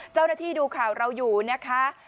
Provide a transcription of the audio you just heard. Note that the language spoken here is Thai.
เจ้าหน้าที่ดูข่าวเราอยู่นะคะ